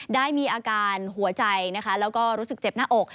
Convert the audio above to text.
ได้มีอาการหัวใจและรู้สึกเจ็บหน้าอก